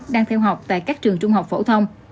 đang theo học tại các trường trung học phổ thông